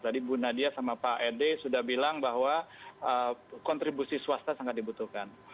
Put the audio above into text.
tadi bu nadia sama pak ede sudah bilang bahwa kontribusi swasta sangat dibutuhkan